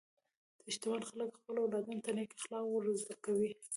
شتمن خلک خپل اولاد ته نېک اخلاق ورزده کوي.